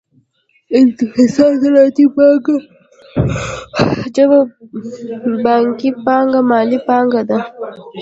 انحصاري صنعتي پانګه جمع بانکي پانګه مالي پانګه ده